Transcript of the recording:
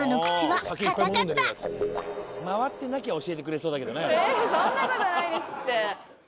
そんな事ないですって。